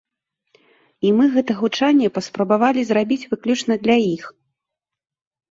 І мы гэта гучанне паспрабавалі зрабіць выключна для іх.